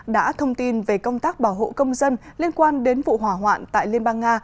đã thông tin về công tác bảo hộ công dân liên quan đến vụ hỏa hoạn tại liên bang nga